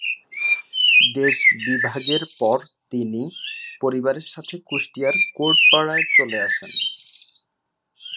দেশ বিভাগের পর তিনি পরিবারের সাথে কুষ্টিয়ার কোর্টপাড়ায় চলে আসেন।